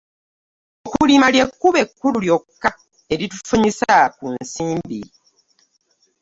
Okulima ly'ekkubo ekkulu lyokka eritufunyisa ku nsimbi.